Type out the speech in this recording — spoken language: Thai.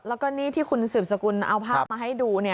แล้วก็นี่ที่คุณสืบสกุลเอาภาพมาให้ดู